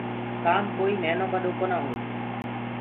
ڪآم ڪوئيٚ نهينو ٻڏو ڪونآ هي